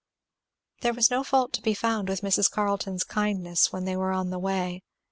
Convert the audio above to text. There was no fault to be found with Mrs. Carleton's kindness when they were on the way.